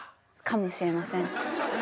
かもしれません。